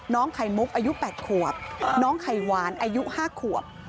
น้องไขมุกอายุ๘ขวบน้องไขวานอายุ๕ขวบ